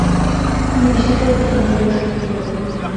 আমি বিশ্বাস করিতে চাই না যে, আমি সত্যই ঐরূপ।